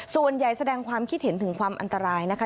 แสดงความคิดเห็นถึงความอันตรายนะคะ